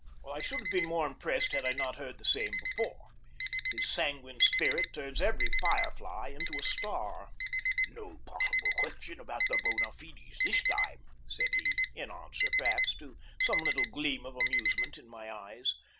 I should have been more impressed had I not heard the same before. His sanguine spirit turns every fire fly into a star. "No possible question about the bona fides this time," said he, in answer, perhaps, to some little gleam of amusement in my eyes.